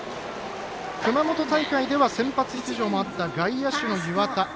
熊本大会では先発出場もあった外野手の岩田。